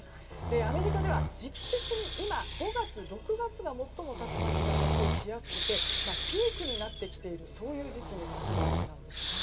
アメリカでは時期的に今５月、６月が最も竜巻が発生しやすくてピークになってきている時期に当たるわけなんです。